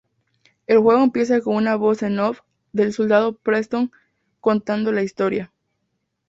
El juego empieza con una "voz en off" del soldado Preston contando la historia.